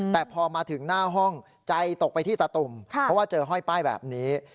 แต่พอมาถึงหน้าห้องใจตกไปที่ตาตุ่มเพราะว่าเจอห้อยป้ายแบบนี้